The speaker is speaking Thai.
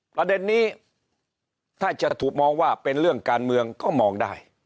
ประเด็นนี้ถ้าจะถูกมองว่าเป็นเรื่องการเมืองก็มองได้